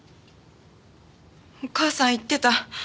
お母さん言ってた。